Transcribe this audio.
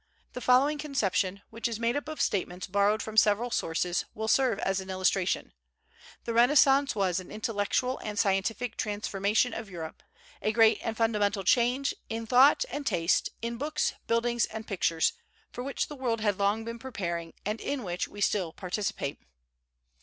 The following conception, which is made up of statements borrowed from several sources, will serve as an illustration: "The Renaissance was an intellectual and scientific transformation of Europe, a great and fundamental change in thought and taste, in books, buildings and pictures, for which the world had long been preparing and in which we still participate."